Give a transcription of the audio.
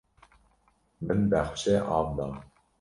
Min bexçe av da.